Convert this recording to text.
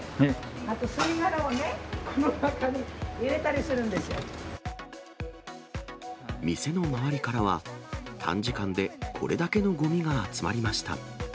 あと吸い殻をね、店の周りからは、短時間でこれだけのごみが集まりました。